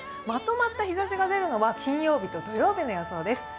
まとまった日ざしが出るのは、金曜日と土曜日の予想です。